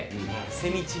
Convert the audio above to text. セミチリ？